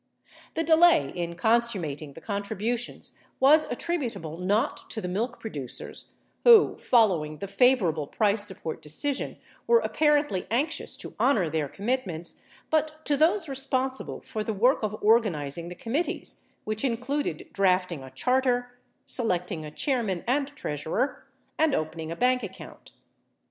The delay in consummating the contributions was attributable not to the milk producers who, following the favorable price support decision, were apparently anxious to honor their commitments, but to those responsible for the work of organizing the committees, which included drafting a charter, selecting a chairman and treasurer, and opening a bank account.